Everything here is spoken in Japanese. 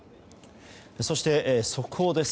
そして速報です。